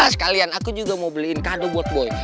sekalian aku juga mau beliin kado buat boy